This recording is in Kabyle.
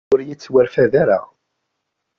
Ur yettwarfed ara.